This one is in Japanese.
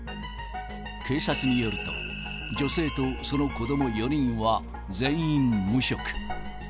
警察によると、女性とその子ども４人は全員無職。